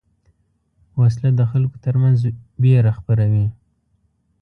وسله د خلکو تر منځ وېره خپروي